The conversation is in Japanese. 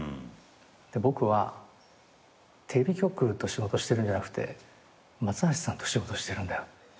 「僕はテレビ局と仕事をしてるんじゃなくて松橋さんと仕事をしてるんだよ」